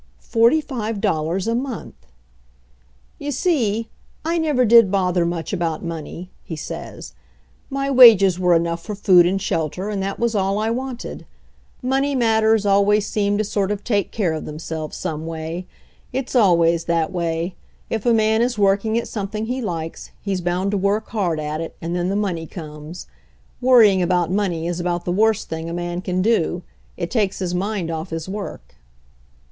Forty five dollars a month ! "You see, I never did bother much about money," he says. "My wages were enough for food and shelter, and that was all I wanted. Money matters always seemed to sort of take care of themselves, some way. It's always that way. If a man is working at something he likes, he's bound to work hard at it, and then the money comes. Worrying about money is about the worst thing a man can do — it takes his mind off his work."